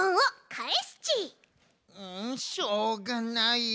んしょうがない。